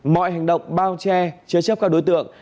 mọi hành động bao che chế chấp các đối tượng